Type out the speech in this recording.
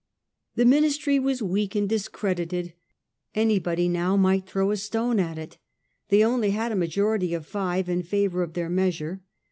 The Ministry was weak and discredited ; anybody might now throw a stone at it. They only had a majority of five in favour of their measure.